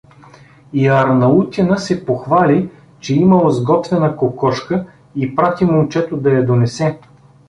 И Арнаутина се похвали, че имал сготвена кокошка, и прати момчето да я донесе.